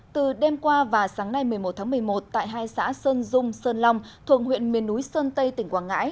từ đêm qua và sáng nay một mươi một tháng một mươi một tại hai xã sơn dung sơn long thuộc huyện miền núi sơn tây tỉnh quảng ngãi